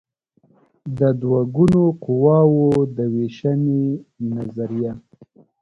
د دوه ګونو قواوو د وېشنې نظریه